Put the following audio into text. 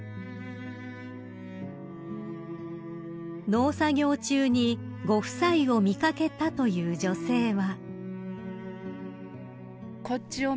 ［農作業中にご夫妻を見掛けたという女性は］